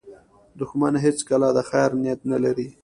دښمن هیڅکله د خیر نیت نه لري